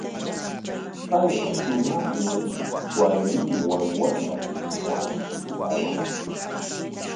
Payqa shumaqmi warminwan, wamrankunawanpis kawakun.